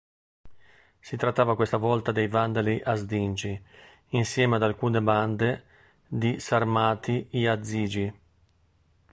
Si trattava questa volta dei Vandali Asdingi, insieme ad alcune bande di Sarmati Iazigi.